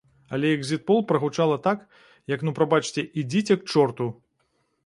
Але экзітпол прагучала так, як, ну прабачце, ідзіце к чорту!